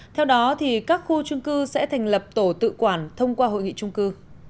theo đó các khu trung cư sẽ thành lập tổ tự quản thông qua hội nghị trung cư